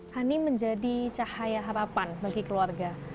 hani menjadi cahaya harapan bagi keluarga